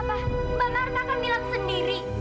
mama takkan milang sendiri